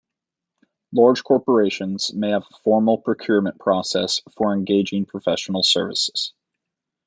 Large corporations may have a formal procurement process for engaging professional services.